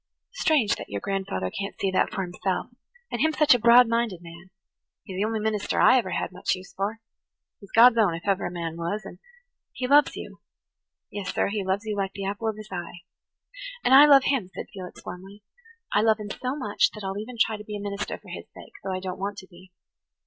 Strange that your grandfather can't see that for himself, and him such a broad minded man! He's the only minister I ever had much use for. He's God's own if ever a man was. And [Page 83] he loves you–yes, sir, he loves you like the apple of his eye." "And I love him," said Felix warmly. "I love him so much that I'll even try to be a minister for his sake, though I don't want to be."